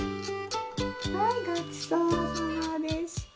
はいごちそうさまでした。